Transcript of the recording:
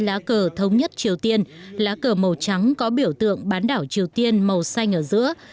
lá cờ thống nhất triều tiên lá cờ màu trắng có biểu tượng bán đảo triều tiên màu xanh ở giữa